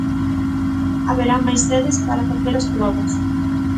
Haberá máis sedes para facer as probas.